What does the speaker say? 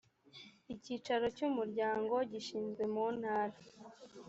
icyicaro cy umuryango gishyizwe mu ntara